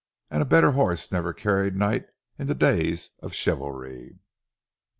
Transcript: And a better horse never carried knight in the days of chivalry.